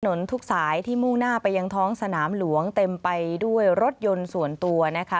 ทุกสายที่มุ่งหน้าไปยังท้องสนามหลวงเต็มไปด้วยรถยนต์ส่วนตัวนะคะ